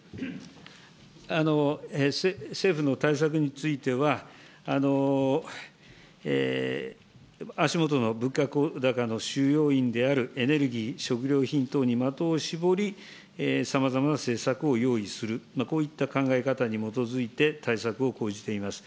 政府の対策については、足下の物価高の主要因であるエネルギー、食料品等に的を絞り、さまざまな政策を用意する、こういった考え方に基づいて対策を講じています。